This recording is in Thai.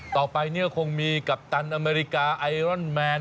ต่อไปเนี่ยคงมีกัปตันอเมริกาไอรอนแมน